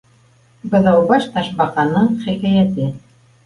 БЫҘАУБАШ ТАШБАҠАНЫҢ ХИКӘЙӘТЕ